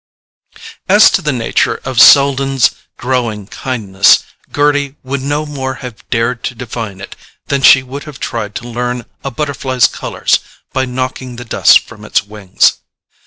As to the nature of Selden's growing kindness, Gerty would no more have dared to define it than she would have tried to learn a butterfly's colours by knocking the dust from its wings.